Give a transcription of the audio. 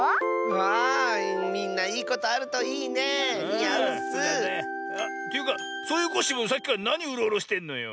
あみんないいことあるといいね！にあうッス！というかそういうコッシーもさっきからなにうろうろしてんのよ。